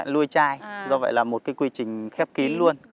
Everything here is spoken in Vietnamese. nuôi chai do vậy là một cái quy trình khép kín luôn